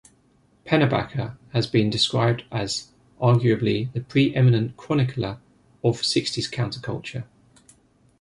Pennebaker has been described as "arguably the pre-eminent chronicler of sixties counterculture".